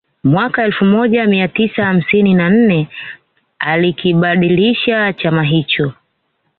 Mwaka elfu moja mia tisa hamsini na nne alikibadilisha chama hicho